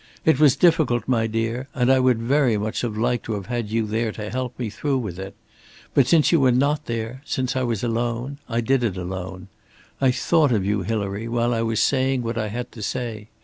"It was difficult, my dear, and I would very much have liked to have had you there to help me through with it. But since you were not there, since I was alone, I did it alone. I thought of you, Hilary, while I was saying what I had to say.